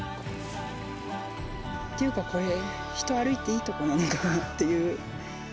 っていうかこれ、人歩いていいところなのかなっていう。